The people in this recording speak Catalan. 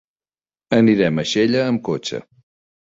Anirem a Xella amb cotxe.